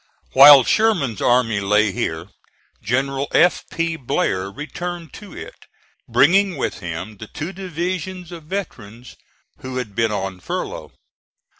While Sherman's army lay here, General F. P. Blair returned to it, bringing with him the two divisions of veterans who had been on furlough.